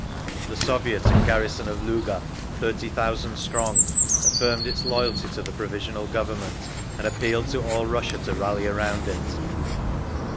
The Soviet and garrison of Luga, thirty thousand strong, affirmed its loyalty to the Provisional Government, and appealed to all Russia to rally around it.